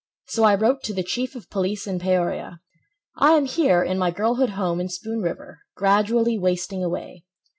So I wrote to the Chief of Police at Peoria: "I am here in my girlhood home in Spoon River, Gradually wasting away.